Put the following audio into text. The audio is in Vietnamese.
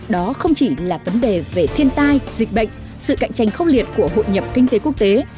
đó không chỉ là vấn đề về thiên tai dịch bệnh sự cạnh tranh khốc liệt của hội nhập kinh tế quốc tế